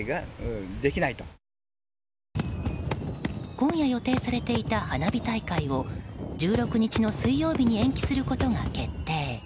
今夜予定されていた花火大会を１６日の水曜日に延期することが決定。